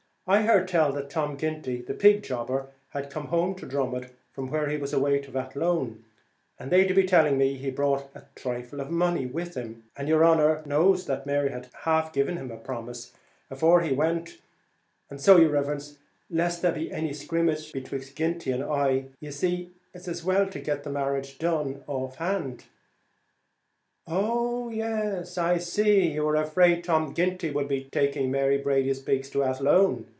I heard tell that Tom Ginty, the pig jobber, has comed home to Dromod from where he was away tiv' Athlone; and they do be telling me, he brought a thrifle of money with him; and yer honer knows Mary had half given a promise to Ginty afore he went: and so, yer riverence, lest there be any scrimmage betwixt Ginty and I, ye see it's as well to get the marriage done off hand." "Oh yes, I see; you were afraid Tom Ginty would be taking Mary Brady's pigs to Athlone.